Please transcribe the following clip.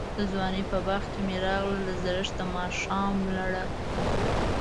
دځوانۍپه باغ می راغله، دزړښت دماښام لړه